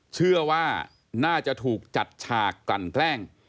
เชื่อว่าน่าจะถูกจัดฉากกลั่นแกล้ง